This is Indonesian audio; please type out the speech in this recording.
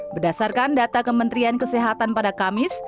berdasarkan data kementerian kesehatan pada kamis